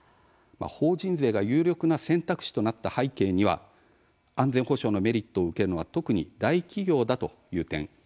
法人税が有力な選択肢となった背景には安全保障のメリットを受けるのは特に大企業だという点。